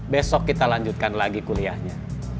besok kita lanjutkan lagi kuliahnya